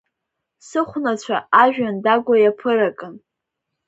Сыхәнацәа ажәҩан дагәа иаԥыракын…